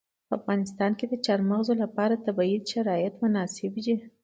په افغانستان کې د چار مغز لپاره طبیعي شرایط مناسب دي.